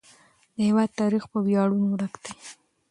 د هېواد تاریخ په ویاړونو ډک دی.